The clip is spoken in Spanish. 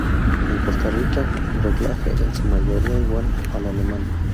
En Costa Rica el reglaje es en su mayoría igual al alemán.